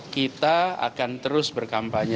kita akan terus berkampanye